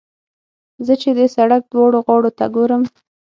زه چې د سړک دواړو غاړو ته ګورم.